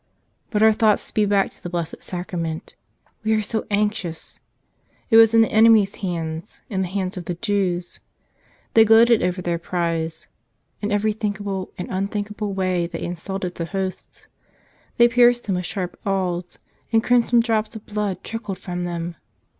But our thoughts speed back to the Blessed Sacra¬ ment : we are so anxious ! It was in the enemies' hands, in the hands of the Jews. They gloated over their prize. In every thinkable and unthinkable way they insulted the Hosts. They pierced them with sharp awls — and crimson drops of blood trickled from them